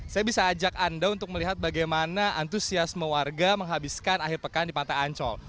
saya bisa ajak anda untuk melihat bagaimana antusiasme warga menghabiskan akhir pekan di pantai ancol